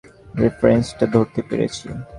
রেফারেন্সটা ধরতে পেরেছি।